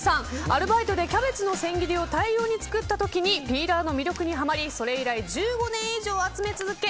アルバイトでキャベツの千切りを大量に作った時にピーラーの魅力にハマりそれ以来１５年以上集め続け